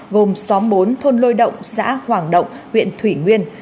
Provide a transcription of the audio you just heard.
gồm xóm bốn thôn lôi động xã hoàng động huyện thủy nguyên